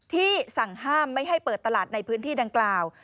สั่งห้ามไม่ให้เปิดตลาดในพื้นที่ดังกล่าว